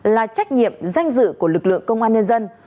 là trách nhiệm danh dự của lực lượng công an nhân dân